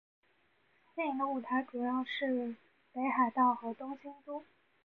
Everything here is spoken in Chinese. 电影的舞台主要是北海道和东京都。